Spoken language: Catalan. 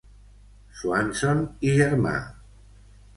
Swanson i germà.